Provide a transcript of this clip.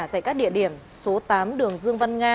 tại các địa điểm số tám đường dương văn nga